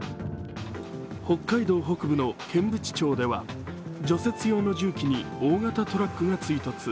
北海道北部の剣淵町では除雪用の重機に大型トラックが追突。